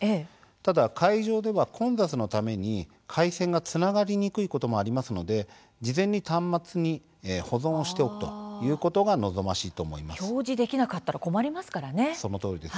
ただ会場では、混雑のために回線がつながりにくいこともありますので事前に端末に保存をしておくということが望ましいと思います。